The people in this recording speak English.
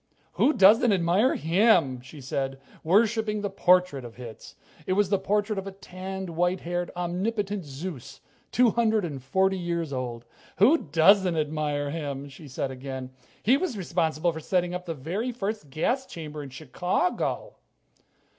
"Who doesn't admire him?" she said, worshiping the portrait of Hitz. It was the portrait of a tanned, white haired, omnipotent Zeus, two hundred and forty years old. "Who doesn't admire him?" she said again. "He was responsible for setting up the very first gas chamber in Chicago."